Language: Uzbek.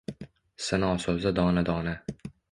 Sino soʼzi dona dona.